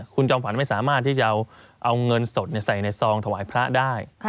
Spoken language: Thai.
คุณจอมขวัญไม่สามารถที่จะเอาเงินสดใส่ในซองถวายพระได้